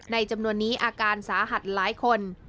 จำนวนนี้อาการสาหัสหลายคน